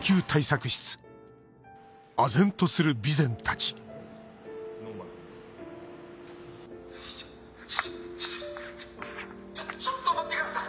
ちょちょちょちょっと待ってください！